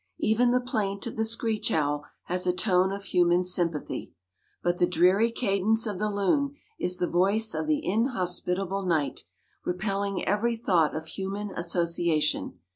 Even the plaint of the screech owl has a tone of human sympathy. But the dreary cadence of the loon is the voice of the inhospitable night, repelling every thought of human association.